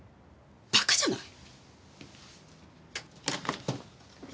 バカじゃない。